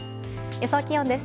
予想気温です。